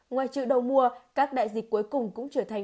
ngoài trừ đậu mùa các đại dịch cuối cùng cũng trở thành